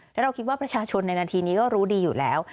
แล้วเราคิดว่าประชาชนในนาทีนี้ก็รู้ดีอยู่แล้ว